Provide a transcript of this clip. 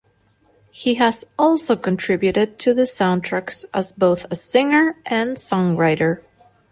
He has also contributed to the soundtracks as both a singer and songwriter.